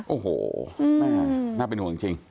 โอ้โหน่าเป็นห่วงจริง